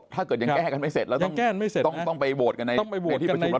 ถ้าเกิดยังแก้กันไม่เสร็จทั้งแต่โบสถ์ต้องไปรับในประชุมรัฐสภาฯ